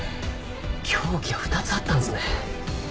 凶器は２つあったんですね。